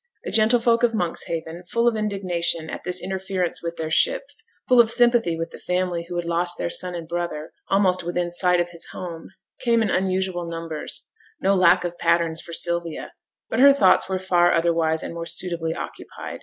The gentlefolk of Monkshaven, full of indignation at this interference with their ships, full of sympathy with the family who had lost their son and brother almost within sight of his home, came in unusual numbers no lack of patterns for Sylvia; but her thoughts were far otherwise and more suitably occupied.